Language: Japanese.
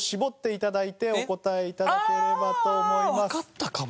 わかったかも。